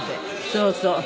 そうそう。